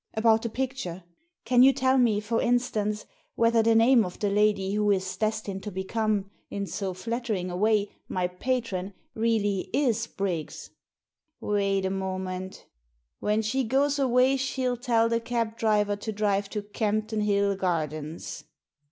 "About the picture. Can you tell me, for instance, whether the name of the lady who is destined to Digitized by VjOOQIC 120 THE SEEN AND THE UNSEEN become, in so flattering a way, my patron, really is Briggs?" Wait a moment When she goes away she'll tell the cab driver to drive to Campden Hill Gardens.